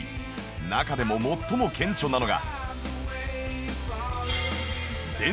中でも最も顕著なのが